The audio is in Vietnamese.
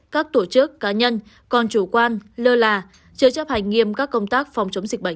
các tổ chức cá nhân còn chủ quan lơ là chưa chấp hành nghiêm các công tác phòng chống dịch bệnh